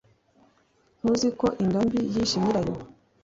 Ntuzi ko inda mbi yishe nyirayo?